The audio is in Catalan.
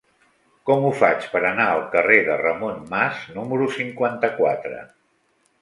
Com ho faig per anar al carrer de Ramon Mas número cinquanta-quatre?